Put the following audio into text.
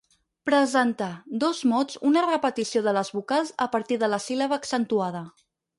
Presentar, dos mots, una repetició de les vocals a partir de la síl·laba accentuada.